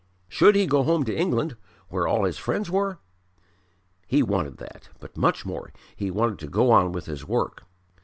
Should he go home to England, where all his friends were? He wanted that; but much more he wanted to go on with his work.